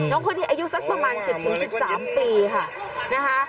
น้องคนนี้อายุสักประมาณ๑๐๑๓ปีค่ะนะคะ